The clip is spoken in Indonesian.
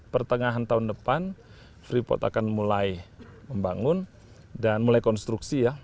pertengahan tahun depan freeport akan mulai membangun dan mulai konstruksi ya